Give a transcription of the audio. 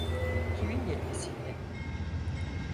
Kimin yetkisiyle?